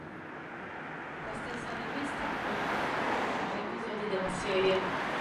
La stessa rivista ha poi ripubblicato vari episodi della serie.